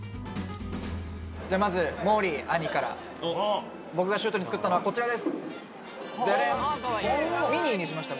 じゃあまずもーりー兄から僕がしゅーとに作ったのはこちらですデデン！